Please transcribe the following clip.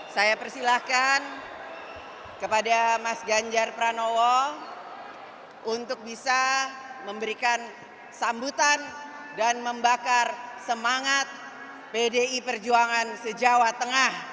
saya persilahkan kepada mas ganjar pranowo untuk bisa memberikan sambutan dan membakar semangat pdi perjuangan se jawa tengah